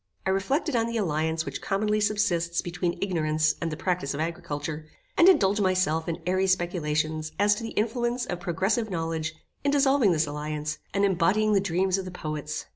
I reflected on the alliance which commonly subsists between ignorance and the practice of agriculture, and indulged myself in airy speculations as to the influence of progressive knowledge in dissolving this alliance, and embodying the dreams of the poets.